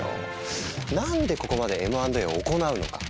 何でここまでＭ＆Ａを行うのか。